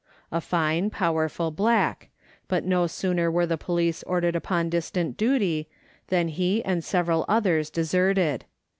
A fine power ful black ; but no sooner were the police ordered upon distant duty than he and several others deserted.